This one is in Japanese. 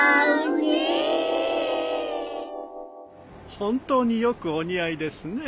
本当によくお似合いですね。